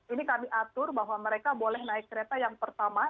ini kami atur bahwa mereka boleh naik kereta yang pertama